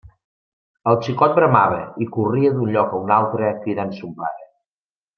El xicot bramava i corria d'un lloc a un altre cridant son pare.